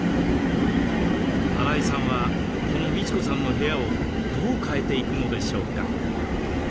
荒井さんはこのみち子さんの部屋をどう変えていくのでしょうか。